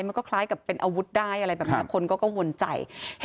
มันก็คล้ายกับเป็นอาวุธได้อะไรแบบนี้คนก็กังวลใจ